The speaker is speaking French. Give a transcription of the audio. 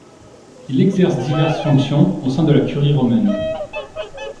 Il exerce diverses fonctions au sein de la Curie romaine.